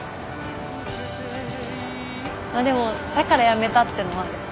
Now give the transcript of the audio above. あでもだからやめたってのはある。